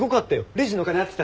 レジのお金合ってたし。